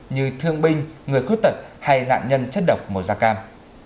như thương binh người khuyết tật hay nạn nhân chất độc màu da cam